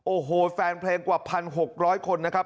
โอ้โหแฟนเพลงกว่า๑๖๐๐คนนะครับ